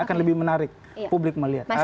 akan lebih menarik publik melihat